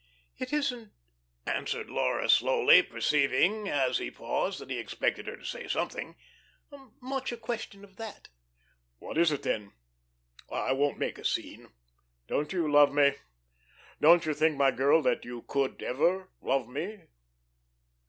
"It isn't," answered Laura slowly, perceiving as he paused that he expected her to say something, "much a question of that." "What is it, then? I won't make a scene. Don't you love me? Don't you think, my girl, you could ever love me?"